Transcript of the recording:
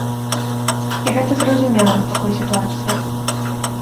І гэта зразумела ў такой сітуацыі.